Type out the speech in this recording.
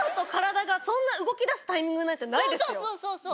そうそう。